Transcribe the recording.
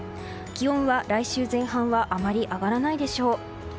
気温は来週前半はあまり上がらないでしょう。